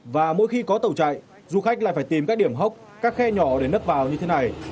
và mỗi khi có tàu chạy du khách lại phải tìm các điểm hốc các khe nhỏ để nấp vào như thế này